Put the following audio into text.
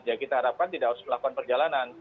ya kita harapkan tidak harus melakukan perjalanan